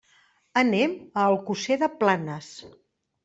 Anem a Alcosser de Planes.